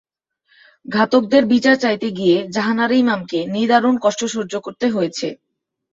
ঘাতকদের বিচার চাইতে গিয়ে জাহানারা ইমামকে নিদারুণ কষ্ট সহ্য করতে হয়েছে।